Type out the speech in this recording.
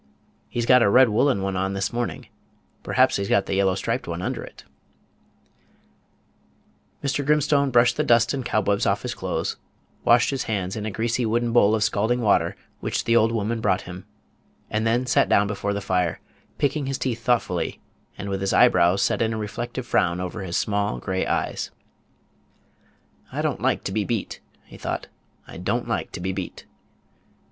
He'd got a red woollen one on this morning; perhaps he's got the yellow striped one under it" Mr. Grimstone brushed the dust and cobwebs off his clothes, washed his hands in a greasy wooden bowl of scalding water which the old woman brought him, and then sat down before the fire, picking his teeth thoughtfully, and with his eyebrows set in a reflective frown over his small gray eyes. "I don't like to be beat," he thought, "I don't like to be beat."